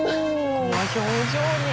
この表情に。